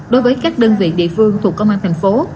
đối với các đơn vị địa phương thuộc công an thành phố